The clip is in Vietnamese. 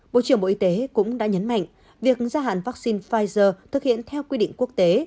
bộ trưởng bộ y tế cũng đã nhấn mạnh việc gia hạn vaccine pfizer thực hiện theo quy định quốc tế